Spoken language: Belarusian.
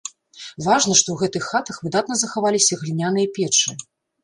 Важна, што ў гэтых хатах выдатна захаваліся гліняныя печы.